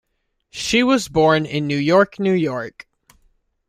She was born in New York, New York.